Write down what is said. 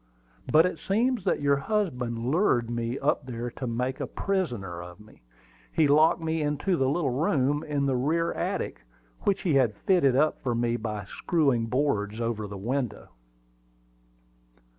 "But it seems that your husband lured me up there to make a prisoner of me. He locked me into the little room in the rear attic, which he had fitted up for me by screwing boards over the window."